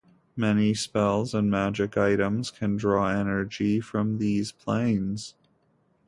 Many spells and magic items can draw energy from these planes